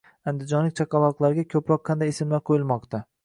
Andijonlik chaqaloqlarga ko‘proq qanday ismlar qo‘yilmoqda?